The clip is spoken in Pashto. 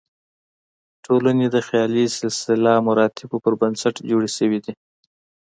ټولنې د خیالي سلسله مراتبو پر بنسټ جوړې شوې دي.